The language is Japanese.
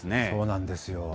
そうなんですよ。